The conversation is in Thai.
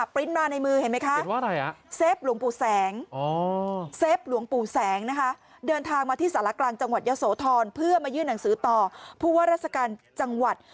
ปริ้นต์มาในมือเห็นไหมคะเห็นว่าอะไร